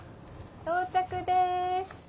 到着です。